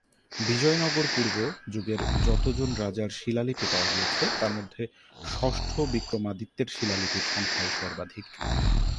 বিজয়নগর-পূর্ব যুগের যত জন রাজার শিলালিপি পাওয়া গিয়েছে তার মধ্যে ষষ্ঠ বিক্রমাদিত্যের শিলালিপির সংখ্যাই সর্বাধিক।